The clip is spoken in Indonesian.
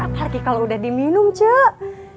apalagi kalau udah diminum cak